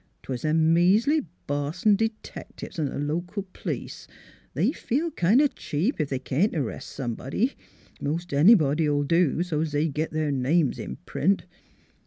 'Twas them measly Boston d'tectives 'n' th' local p'lice. They feel kind o' cheap ef they can't arrest somebody. Most any body '11 do, so l s they git their names in print.